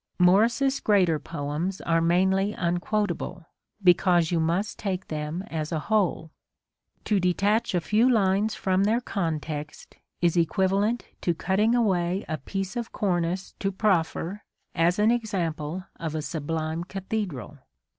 Morris's greater poems are mainly unquotable, because you must take them as a whole : to detach a few lines from their context is equiva lent to cutting away a piece of cornice to proffer as an example of a sublime cathedral.